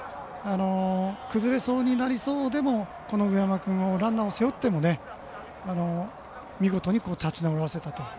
崩れそうになりそうでも上山君をランナーを背負っても見事に立ち直らせたと。